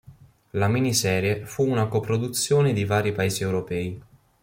La miniserie fu una coproduzione di vari paesi europei.